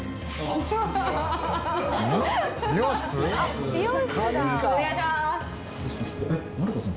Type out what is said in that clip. お願いしまーす。